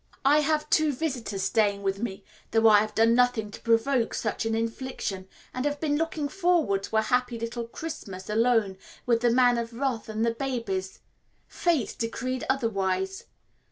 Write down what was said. I have two visitors staying with me, though I have done nothing to provoke such an infliction, and had been looking forward to a happy little Christmas alone with the Man of Wrath and the babies. Fate decreed otherwise.